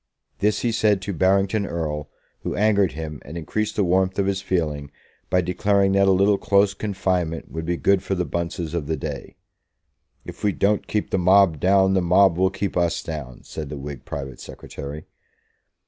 This he said to Barrington Erle, who angered him and increased the warmth of his feeling by declaring that a little close confinement would be good for the Bunces of the day. "If we don't keep the mob down, the mob will keep us down," said the Whig private secretary.